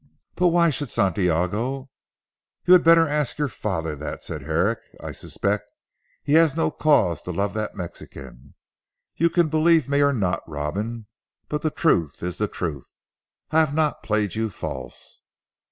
"But why should Santiago " "You had better ask your father that," said Herrick. "I suspect he has no cause to love that Mexican! You can believe me or not Robin. But the truth is the truth. I have not played you false."